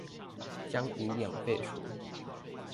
將銀兩廢除